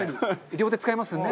両手使えますよね。